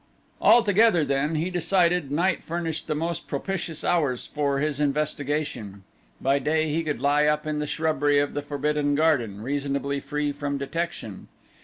Altogether then, he decided, night furnished the most propitious hours for his investigation by day he could lie up in the shrubbery of the Forbidden Garden, reasonably free from detection.